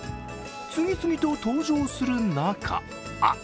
次々と登場する中、あ！